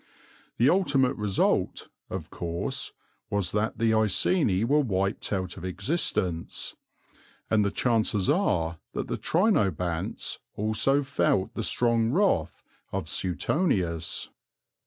The ultimate result, of course, was that the Iceni were wiped out of existence, and the chances are that the Trinobantes also felt the strong wrath of Suetonius.